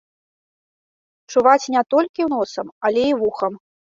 Чуваць не толькі носам, але і вухам.